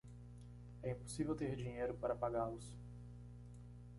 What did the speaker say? É impossível ter dinheiro para pagá-los